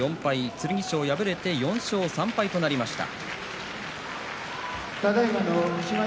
剣翔、敗れて４勝３敗となりました。